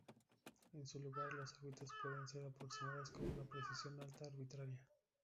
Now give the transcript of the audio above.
En su lugar, las órbitas pueden ser aproximadas con una precisión alta arbitraria.